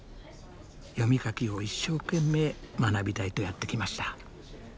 読み書きを一生懸命学びたいとやって来ました。